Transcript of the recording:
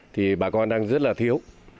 thì bà con đang rất là thiếu